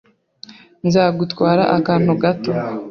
Nzagutwara akantu gato.